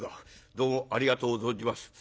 「どうもありがとう存じます」。